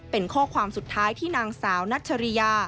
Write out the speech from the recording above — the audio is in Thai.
เป็นข้อความสุดท้ายที่นางสาวนัชริยา